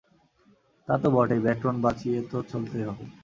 তা তো বটেই, ব্যাকরণ বাঁচিয়ে তো চলতেই হবে।